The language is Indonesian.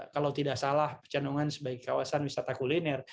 kalau tidak salah pecenongan sebagai kawasan wisata kuliner